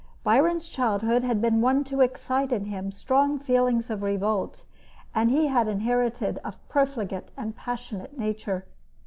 Byron's childhood had been one to excite in him strong feelings of revolt, and he had inherited a profligate and passionate nature.